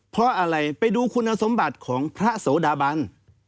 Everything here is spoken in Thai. เพราะอะไรไปดูคุณสมบัติของพระโสดาบัน